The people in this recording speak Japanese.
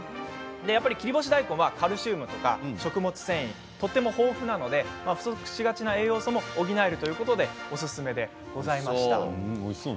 切り干し大根はカルシウムや食物繊維がとても豊富なので不足しがちな栄養素も補えるのでおすすめということでございました。